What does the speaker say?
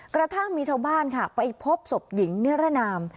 กระทั่งมีชาวบ้านค่ะไปพบศพหญิงนิรนาม